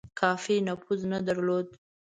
کافي نفوذ نه درلود.